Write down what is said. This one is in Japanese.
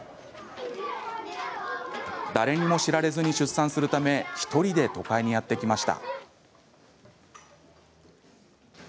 誰にも知られずに出産するため１人で都会にやって来ました。